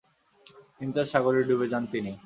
চিন্তার সাগরে ডুবে যান তিনি।